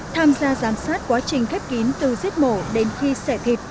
tham gia giám sát quá trình khép kín từ giết mổ đến khi xẻ thịt